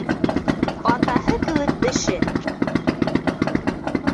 Атаһы кеүек беше.